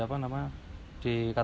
ya gimana ya maksudnya harusnya jujur